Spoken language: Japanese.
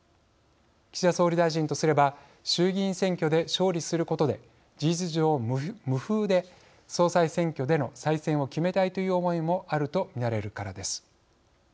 岸田総理大臣とすれば衆議院選挙で勝利することで事実上、無風で総裁選挙での再選を決めたいという思いもあると見られるからです。